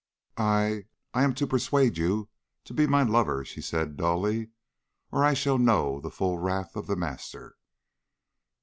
"I I am to persuade you to be my lover," she said dully, "or I shall know the full wrath of The Master...."